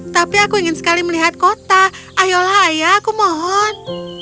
tapi aku ingin sekali melihat kota ayolah ayah aku mohon